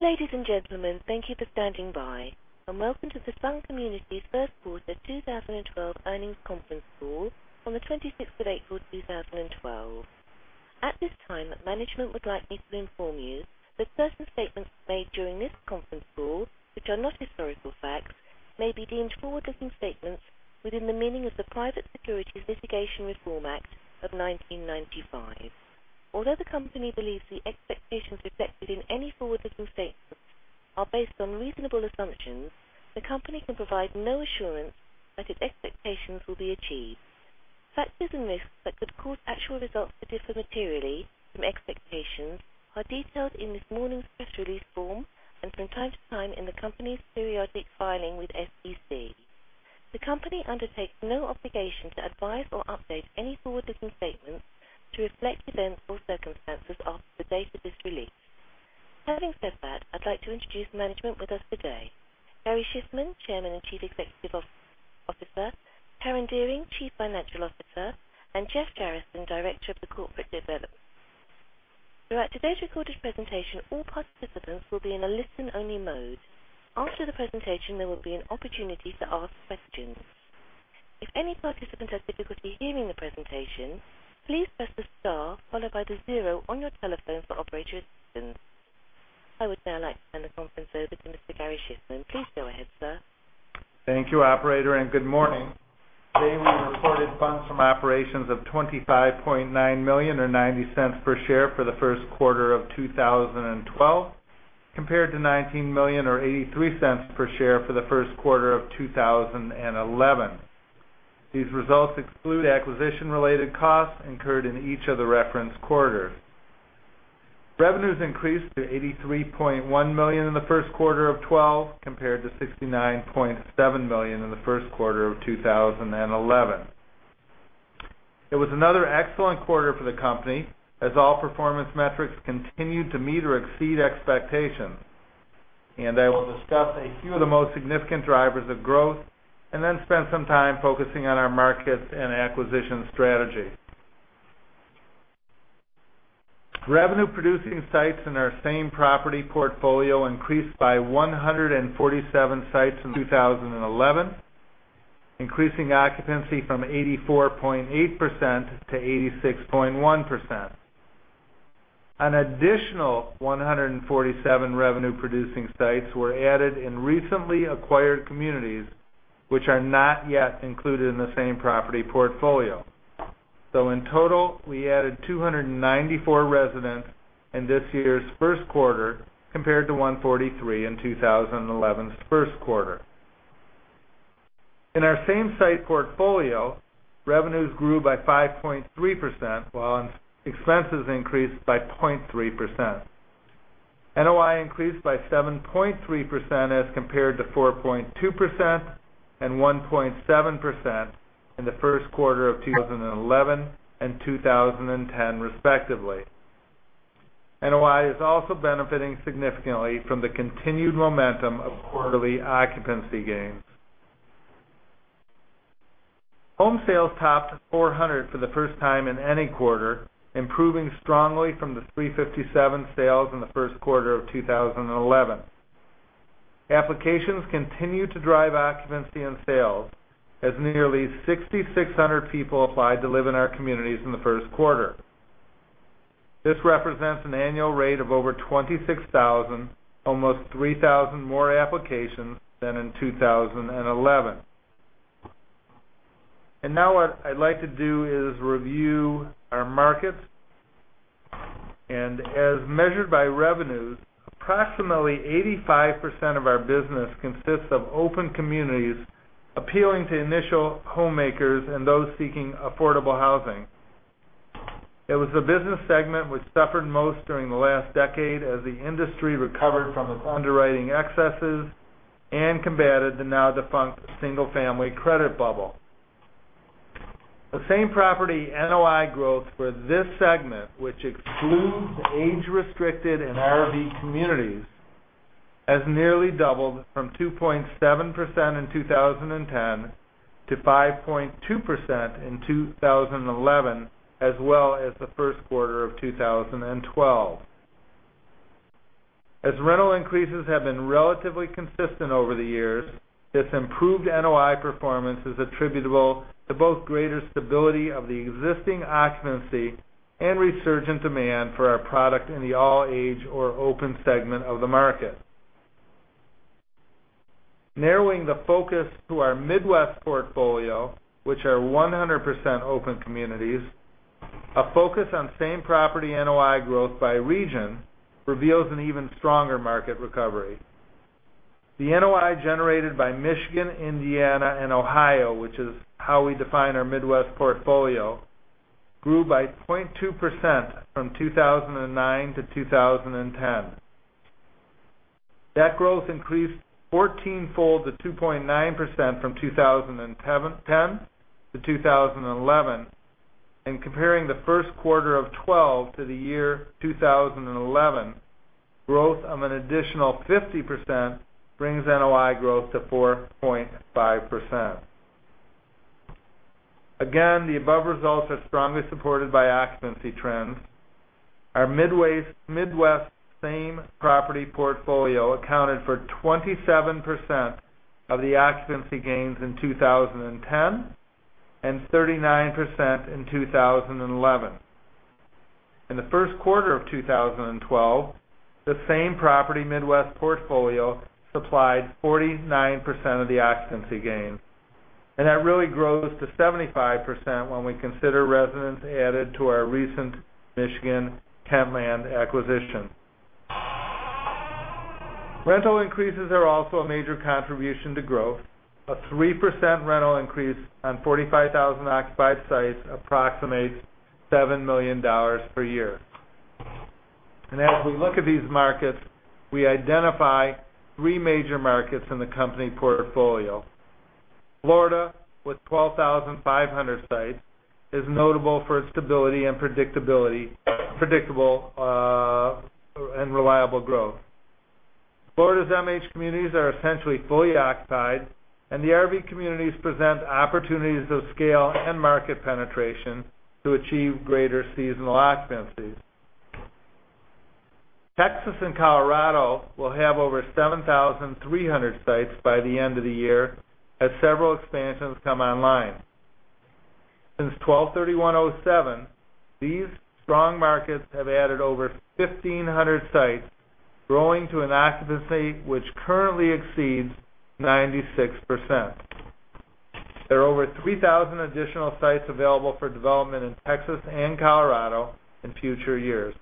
Ladies and gentlemen, thank you for standing by, and welcome to the Sun Communities Gary Shiffman First Quarter 2012 Earnings Conference Call on the 26th of April 2012. At this time, management would like me to inform you that certain statements made during this conference call, which are not historical facts, may be deemed forward-looking statements within the meaning of the Private Securities Litigation Reform Act of 1995. Although the company believes the expectations reflected in any forward-looking statements are based on reasonable assumptions, the company can provide no assurance that its expectations will be achieved. Factors and risks that could cause actual results to differ materially from expectations are detailed in this morning's press release form and from time to time in the company's periodic filing with the SEC. The company undertakes no obligation to advise or update any forward-looking statements to reflect events or circumstances after the date of this release. Having said that, I'd like to introduce management with us today: Gary Shiffman, Chairman and Chief Executive Officer, Karen Dearing, Chief Financial Officer, and Jeff Jorissen, Director of Corporate Development. Throughout today's recorded presentation, all participants will be in a listen-only mode. After the presentation, there will be an opportunity to ask questions. If any participant has difficulty hearing the presentation, please press the star followed by the zero on your telephone for operator assistance. I would now like to turn the conference over to Mr. Gary Shiffman. Please go ahead, sir. Thank you, Operator, and good morning. Today we reported funds from operations of $25.9 million or $0.90 per share for the first quarter of 2012, compared to $19 million or $0.83 per share for the first quarter of 2011. These results exclude acquisition-related costs incurred in each of the reference quarters. Revenues increased to $83.1 million in the first quarter of 2012, compared to $69.7 million in the first quarter of 2011. It was another excellent quarter for the company, as all performance metrics continued to meet or exceed expectations, and I will discuss a few of the most significant drivers of growth and then spend some time focusing on our markets and acquisition strategy. Revenue-producing sites in our same property portfolio increased by 147 sites in 2011, increasing occupancy from 84.8% to 86.1%. An additional 147 revenue-producing sites were added in recently acquired communities, which are not yet included in the same property portfolio. So in total, we added 294 residents in this year's first quarter, compared to 143 in 2011's first quarter. In our same site portfolio, revenues grew by 5.3%, while expenses increased by 0.3%. NOI increased by 7.3% as compared to 4.2% and 1.7% in the first quarter of 2011 and 2010, respectively. NOI is also benefiting significantly from the continued momentum of quarterly occupancy gains. Home sales topped 400 for the first time in any quarter, improving strongly from the 357 sales in the first quarter of 2011. Applications continue to drive occupancy and sales, as nearly 6,600 people applied to live in our communities in the first quarter. This represents an annual rate of over 26,000, almost 3,000 more applications than in 2011. And now what I'd like to do is review our markets, and as measured by revenues, approximately 85% of our business consists of open communities appealing to initial homemakers and those seeking affordable housing. It was the business segment which suffered most during the last decade, as the industry recovered from its underwriting excesses and combated the now-defunct single-family credit bubble. The same property NOI growth for this segment, which excludes age-restricted and RV communities, has nearly doubled from 2.7% in 2010 to 5.2% in 2011, as well as the first quarter of 2012. As rental increases have been relatively consistent over the years, this improved NOI performance is attributable to both greater stability of the existing occupancy and resurgent demand for our product in the all-age or open segment of the market. Narrowing the focus to our Midwest portfolio, which are 100% open communities, a focus on same property NOI growth by region reveals an even stronger market recovery. The NOI generated by Michigan, Indiana, and Ohio, which is how we define our Midwest portfolio, grew by 0.2% from 2009 to 2010. That growth increased 14-fold to 2.9% from 2010 to 2011, and comparing the first quarter of 2012 to the year 2011, growth of an additional 50% brings NOI growth to 4.5%. Again, the above results are strongly supported by occupancy trends. Our Midwest same property portfolio accounted for 27% of the occupancy gains in 2010 and 39% in 2011. In the first quarter of 2012, the same property Midwest portfolio supplied 49% of the occupancy gains, and that really grows to 75% when we consider residents added to our recent Michigan Kentland acquisition. Rental increases are also a major contribution to growth. A 3% rental increase on 45,000 occupied sites approximates $7 million per year. As we look at these markets, we identify three major markets in the company portfolio. Florida, with 12,500 sites, is notable for its stability and predictable and reliable growth. Florida's MH communities are essentially fully occupied, and the RV communities present opportunities of scale and market penetration to achieve greater seasonal occupancies. Texas and Colorado will have over 7,300 sites by the end of the year, as several expansions come online. Since 12/31/2007, these strong markets have added over 1,500 sites, growing to an occupancy which currently exceeds 96%. There are over 3,000 additional sites available for development in Texas and Colorado in future years.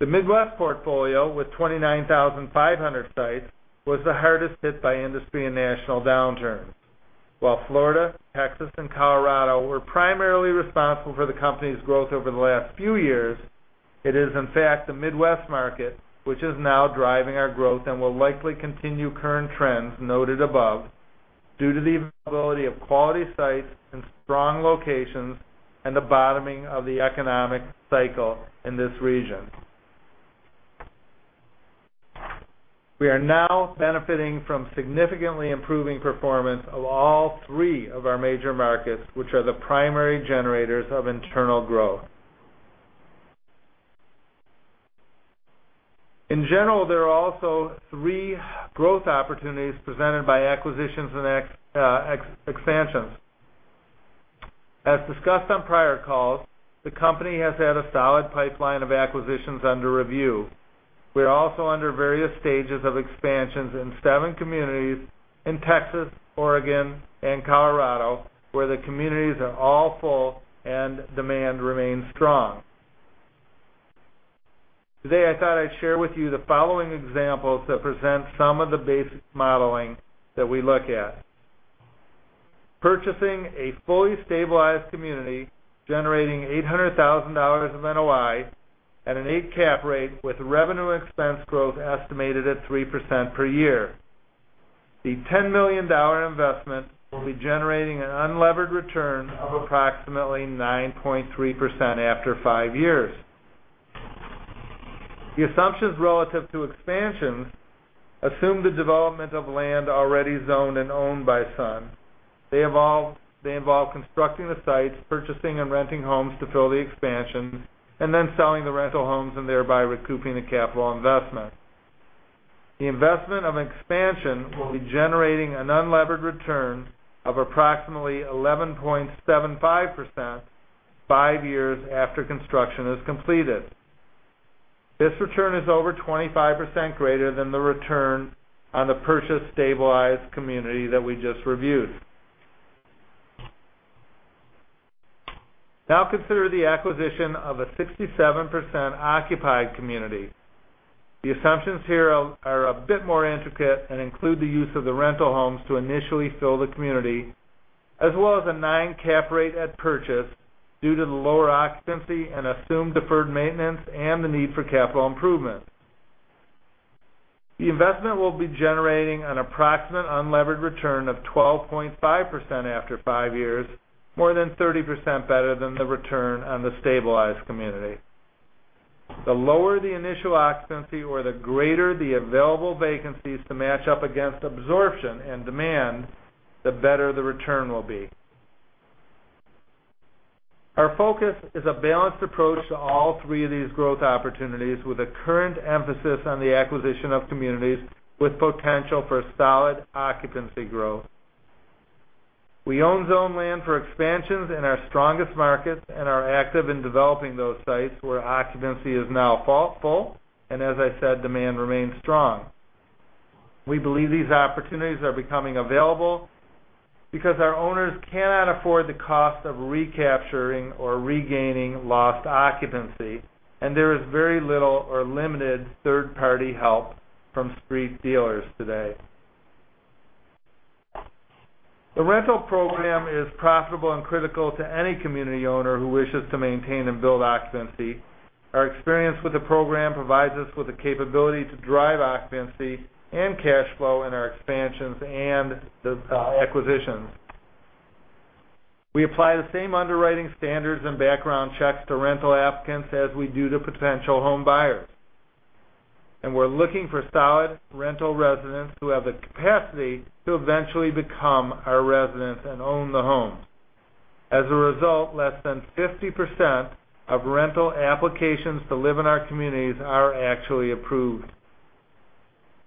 The Midwest portfolio, with 29,500 sites, was the hardest hit by industry and national downturns. While Florida, Texas, and Colorado were primarily responsible for the company's growth over the last few years, it is, in fact, the Midwest market which is now driving our growth and will likely continue current trends noted above due to the availability of quality sites in strong locations and the bottoming of the economic cycle in this region. We are now benefiting from significantly improving performance of all three of our major markets, which are the primary generators of internal growth. In general, there are also three growth opportunities presented by acquisitions and expansions. As discussed on prior calls, the company has had a solid pipeline of acquisitions under review. We are also under various stages of expansions in seven communities in Texas, Oregon, and Colorado, where the communities are all full and demand remains strong. Today, I thought I'd share with you the following examples that present some of the basic modeling that we look at: purchasing a fully stabilized community generating $800,000 of NOI at an 8-cap rate with revenue and expense growth estimated at 3% per year. The $10 million investment will be generating an unlevered return of approximately 9.3% after 5 years. The assumptions relative to expansions assume the development of land already zoned and owned by Sun. They involve constructing the sites, purchasing and renting homes to fill the expansion, and then selling the rental homes and thereby recouping the capital investment. The investment of expansion will be generating an unlevered return of approximately 11.75% 5 years after construction is completed. This return is over 25% greater than the return on the purchased stabilized community that we just reviewed. Now consider the acquisition of a 67% occupied community. The assumptions here are a bit more intricate and include the use of the rental homes to initially fill the community, as well as a 9-cap rate at purchase due to the lower occupancy and assumed deferred maintenance and the need for capital improvement. The investment will be generating an approximate unlevered return of 12.5% after 5 years, more than 30% better than the return on the stabilized community. The lower the initial occupancy or the greater the available vacancies to match up against absorption and demand, the better the return will be. Our focus is a balanced approach to all three of these growth opportunities, with a current emphasis on the acquisition of communities with potential for solid occupancy growth. We own zoned land for expansions in our strongest markets and are active in developing those sites where occupancy is now full, and as I said, demand remains strong. We believe these opportunities are becoming available because our owners cannot afford the cost of recapturing or regaining lost occupancy, and there is very little or limited third-party help from street dealers today. The rental program is profitable and critical to any community owner who wishes to maintain and build occupancy. Our experience with the program provides us with the capability to drive occupancy and cash flow in our expansions and acquisitions. We apply the same underwriting standards and background checks to rental applicants as we do to potential home buyers, and we're looking for solid rental residents who have the capacity to eventually become our residents and own the home. As a result, less than 50% of rental applications to live in our communities are actually approved.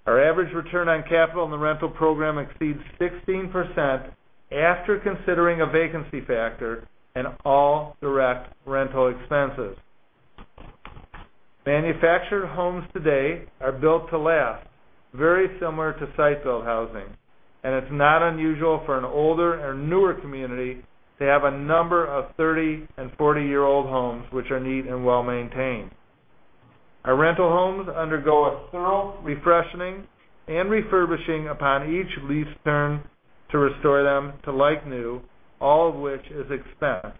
Our average return on capital in the rental program exceeds 16% after considering a vacancy factor and all direct rental expenses. Manufactured homes today are built to last, very similar to site-built housing, and it's not unusual for an older or newer community to have a number of 30- and 40-year-old homes which are neat and well-maintained. Our rental homes undergo a thorough refreshing and refurbishing upon each lease turn to restore them to like new, all of which is expense.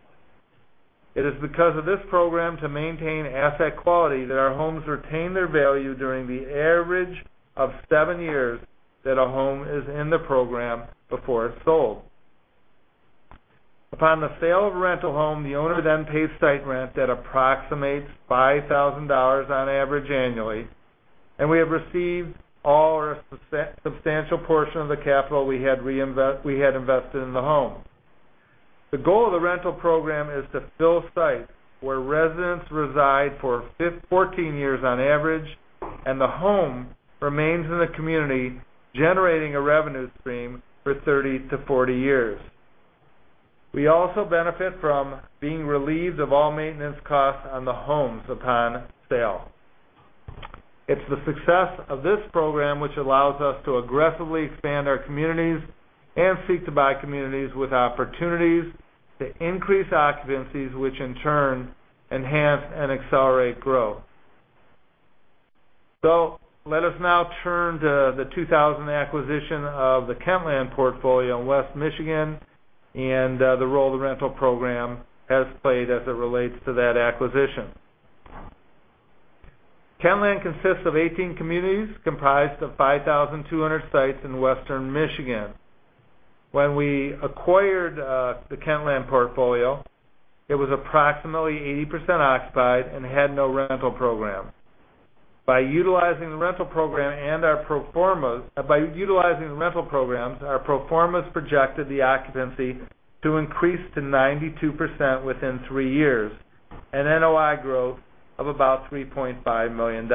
It is because of this program to maintain asset quality that our homes retain their value during the average of 7 years that a home is in the program before it's sold. Upon the sale of a rental home, the owner then pays site rent that approximates $5,000 on average annually, and we have received all or a substantial portion of the capital we had invested in the home. The goal of the rental program is to fill sites where residents reside for 14 years on average, and the home remains in the community, generating a revenue stream for 30-40 years. We also benefit from being relieved of all maintenance costs on the homes upon sale. It's the success of this program which allows us to aggressively expand our communities and seek to buy communities with opportunities to increase occupancies, which in turn enhance and accelerate growth. So let us now turn to the 2000 acquisition of the Kentland portfolio in Western Michigan and the role the rental program has played as it relates to that acquisition. Kentland consists of 18 communities comprised of 5,200 sites in Western Michigan. When we acquired the Kentland portfolio, it was approximately 80% occupied and had no rental program. By utilizing the rental program and our performance by utilizing the rental programs, our performance projected the occupancy to increase to 92% within three years and NOI growth of about $3.5 million.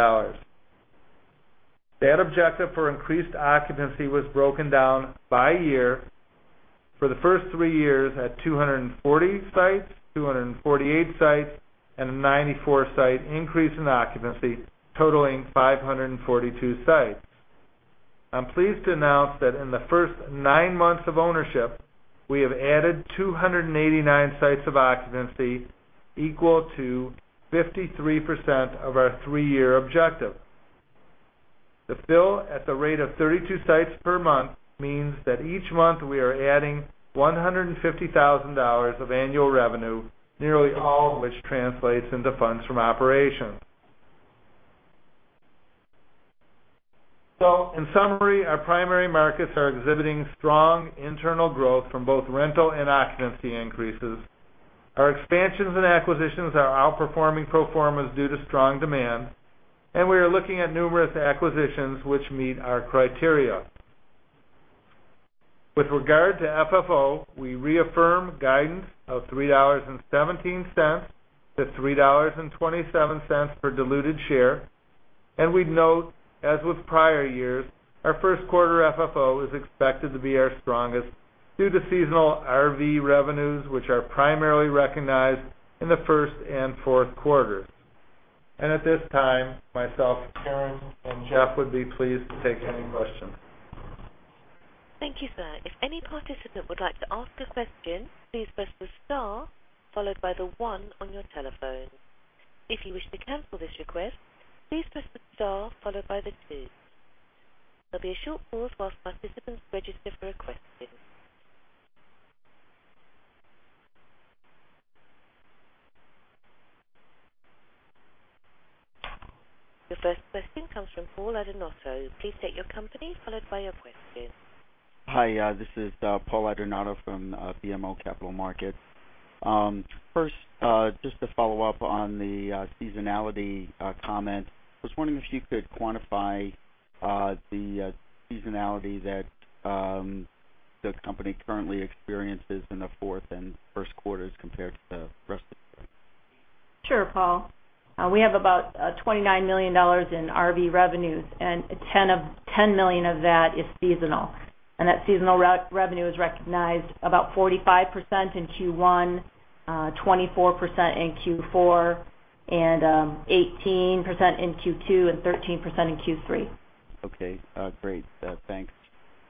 That objective for increased occupancy was broken down by year for the first three years at 240 sites, 248 sites, and a 94-site increase in occupancy, totaling 542 sites. I'm pleased to announce that in the first nine months of ownership, we have added 289 sites of occupancy, equal to 53% of our three-year objective. The fill at the rate of 32 sites per month means that each month we are adding $150,000 of annual revenue, nearly all of which translates into funds from operations. So in summary, our primary markets are exhibiting strong internal growth from both rental and occupancy increases. Our expansions and acquisitions are outperforming pro formas due to strong demand, and we are looking at numerous acquisitions which meet our criteria. With regard to FFO, we reaffirm guidance of $3.17-$3.27 per diluted share, and we note, as with prior years, our first quarter FFO is expected to be our strongest due to seasonal RV revenues, which are primarily recognized in the first and fourth quarters. At this time, myself, Karen, and Jeff would be pleased to take any questions. Thank you, sir. If any participant would like to ask a question, please press the star followed by the one on your telephone. If you wish to cancel this request, please press the star followed by the two. There'll be a short pause whilst participants register for a question. Your first question comes from Paul Adornato. Please state your company followed by your question. Hi, this is Paul Adornato from BMO Capital Markets. First, just to follow up on the seasonality comment, I was wondering if you could quantify the seasonality that the company currently experiences in the fourth and first quarters compared to the rest of the year. Sure, Paul. We have about $29 million in RV revenues, and $10 million of that is seasonal. That seasonal revenue is recognized about 45% in Q1, 24% in Q4, and 18% in Q2, and 13% in Q3. Okay. Great. Thanks.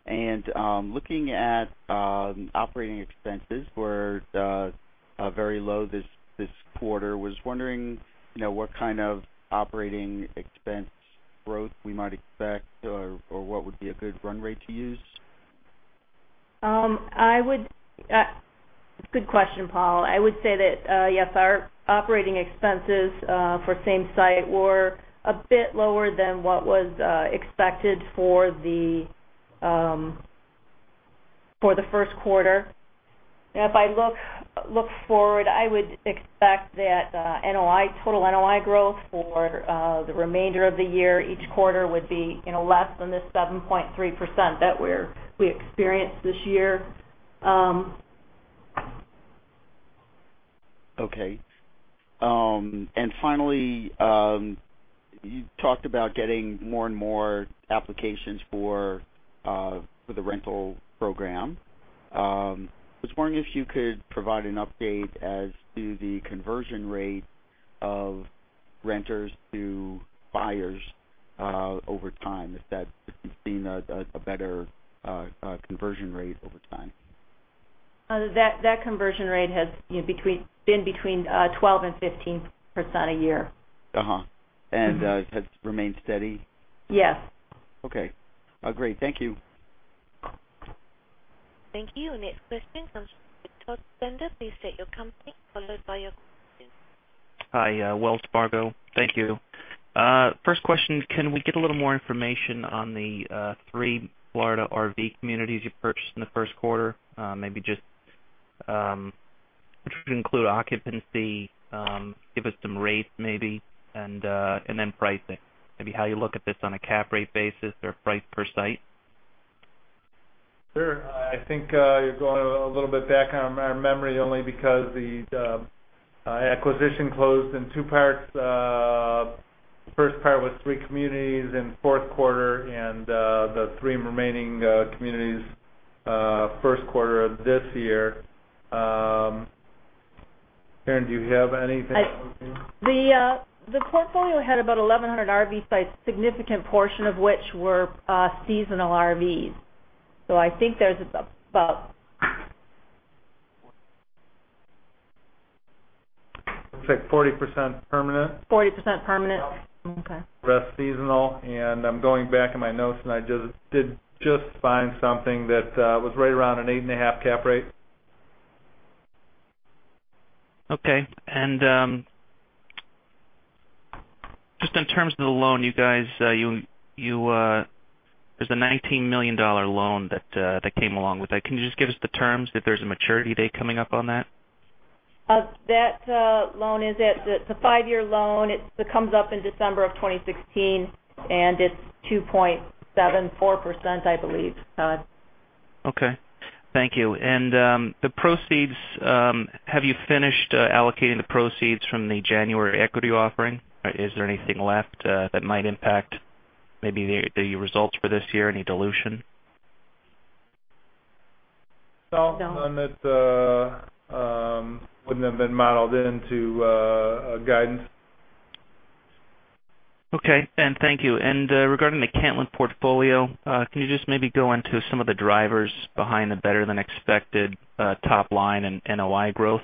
And looking at operating expenses, we're very low this quarter. I was wondering what kind of operating expense growth we might expect or what would be a good run rate to use? Good question, Paul. I would say that, yes, our operating expenses for same site were a bit lower than what was expected for the first quarter. If I look forward, I would expect that total NOI growth for the remainder of the year, each quarter, would be less than the 7.3% that we experienced this year. Okay. Finally, you talked about getting more and more applications for the rental program. I was wondering if you could provide an update as to the conversion rate of renters to buyers over time, if that's been seen a better conversion rate over time. That conversion rate has been between 12% and 15% a year. It has remained steady? Yes. Okay. Great. Thank you. Thank you. Next question comes from Todd Stender. Please state your company followed by your question. Hi, Wells Fargo. Thank you. First question, can we get a little more information on the 3 Florida RV communities you purchased in the first quarter? Maybe just include occupancy, give us some rates maybe, and then pricing. Maybe how you look at this on a cap rate basis or price per site. Sure. I think you're going a little bit back on our memory only because the acquisition closed in two parts. The first part was three communities in the fourth quarter and the three remaining communities in the first quarter of this year. Karen, do you have anything? The portfolio had about 1,100 RV sites, a significant portion of which were seasonal RVs. So I think there's about. Looks like 40% permanent. 40% permanent. The rest seasonal. I'm going back in my notes, and I just did just find something that was right around an 8.5 cap rate. Okay. Just in terms of the loan, you guys, there's a $19 million loan that came along with that. Can you just give us the terms if there's a maturity date coming up on that? That loan is a 5-year loan. It comes up in December of 2016, and it's 2.74%, I believe. Okay. Thank you. The proceeds, have you finished allocating the proceeds from the January equity offering? Is there anything left that might impact maybe the results for this year, any dilution? No. None that wouldn't have been modeled into guidance. Okay. Thank you. Regarding the Kentland portfolio, can you just maybe go into some of the drivers behind the better-than-expected top line and NOI growth?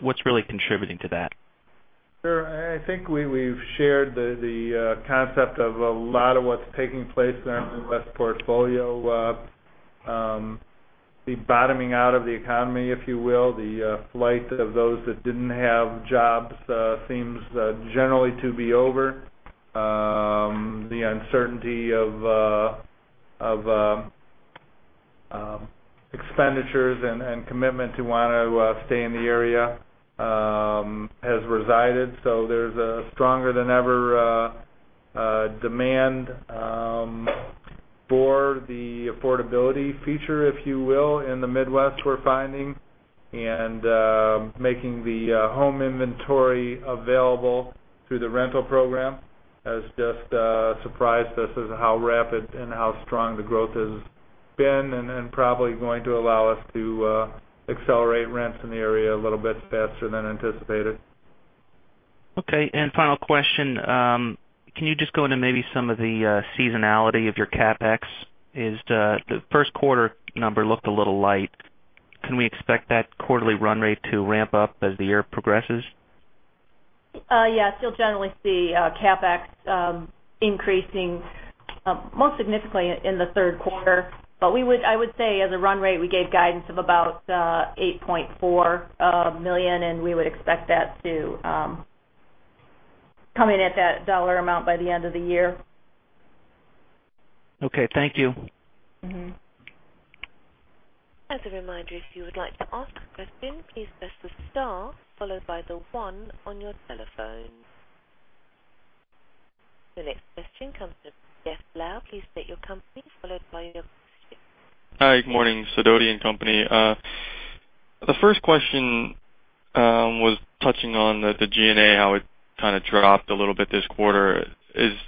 What's really contributing to that? Sure. I think we've shared the concept of a lot of what's taking place in our Midwest portfolio. The bottoming out of the economy, if you will, the flight of those that didn't have jobs seems generally to be over. The uncertainty of expenditures and commitment to want to stay in the area has resided. So there's a stronger-than-ever demand for the affordability feature, if you will, in the Midwest we're finding. And making the home inventory available through the rental program has just surprised us as to how rapid and how strong the growth has been and probably going to allow us to accelerate rents in the area a little bit faster than anticipated. Okay. Final question, can you just go into maybe some of the seasonality of your CapEx? The first quarter number looked a little light. Can we expect that quarterly run rate to ramp up as the year progresses? Yes. You'll generally see CapEx increasing most significantly in the third quarter. But I would say as a run rate, we gave guidance of about $8.4 million, and we would expect that to come in at that dollar amount by the end of the year. Okay. Thank you. As a reminder, if you would like to ask a question, please press the star followed by the one on your telephone. The next question comes from Jeff Blair. Please state your company followed by your question. Hi. Good morning. Sidoti & Company. The first question was touching on the G&A, how it kind of dropped a little bit this quarter.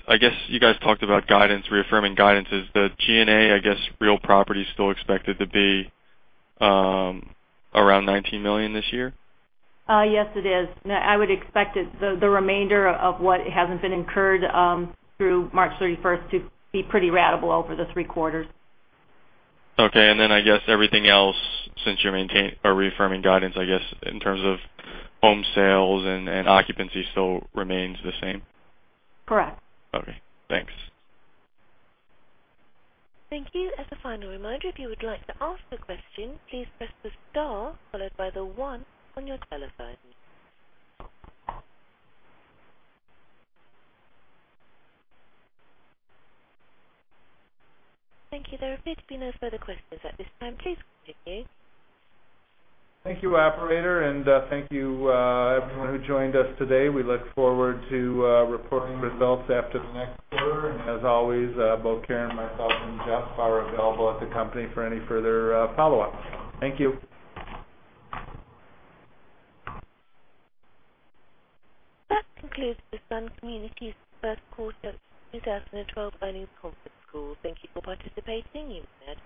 I guess you guys talked about guidance, reaffirming guidance. Is the G&A, I guess, real property still expected to be around $19 million this year? Yes, it is. I would expect the remainder of what hasn't been incurred through March 31st to be pretty ratable over the three quarters. Okay. And then I guess everything else since you're reaffirming guidance, I guess, in terms of home sales and occupancy still remains the same? Correct. Okay. Thanks. Thank you. As a final reminder, if you would like to ask a question, please press the star followed by the one on your telephone. Thank you. There appear to be no further questions at this time. Please continue. Thank you, operator, and thank you everyone who joined us today. We look forward to reporting results after the next quarter. As always, both Karen, myself, and Jeff are available at the company for any further follow-up. Thank you. That concludes the Sun Communities first quarter of 2012 earnings conference call. Thank you for participating. You've had.